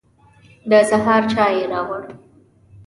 د سهار چای يې راوړ.